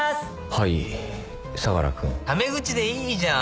「はい相良君」「ため口でいいじゃん」